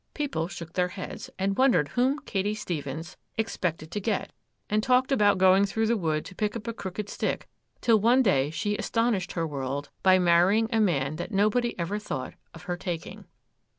People shook their heads, and wondered whom Katy Stephens expected to get, and talked about going through the wood to pick up a crooked stick,—till one day she astonished her world by marrying a man that nobody ever thought of her taking.